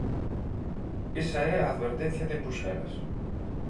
Esa é a advertencia de Bruxelas.